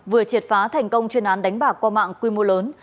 vừa triệt phá thành công chuyên án đánh bạc qua mạng quy mô lớn